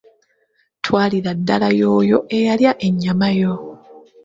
“Twalira ddala y’oyo eyalya ennyama yo.”